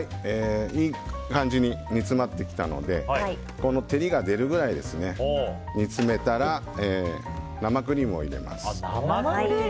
いい感じに煮詰まってきたのでこの照りが出るぐらい煮詰めたら生クリームを入れます。